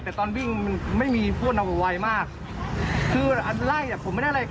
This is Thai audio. แต่ตอนวิ่งมันไม่มีพวกเราไวมากคืออันไล่อ่ะผมไม่ได้อะไร